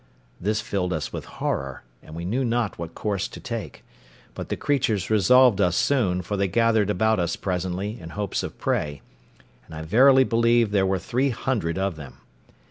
This filled us with horror, and we knew not what course to take; but the creatures resolved us soon, for they gathered about us presently, in hopes of prey; and I verily believe there were three hundred of them.